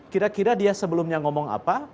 kira kira dia sebelumnya ngomong apa